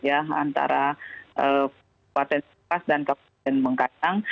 ya antara kota singkawang dan kota bengkacang